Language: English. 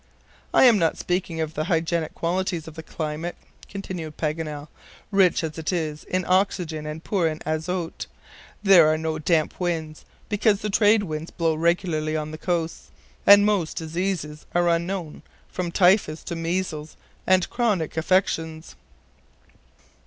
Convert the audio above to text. "I am not speaking of the hygienic qualities of the climate," continued Paganel, "rich as it is in oxygen and poor in azote. There are no damp winds, because the trade winds blow regularly on the coasts, and most diseases are unknown, from typhus to measles, and chronic affections."